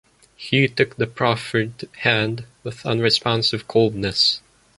Hugh took the proffered hand with unresponsive coldness.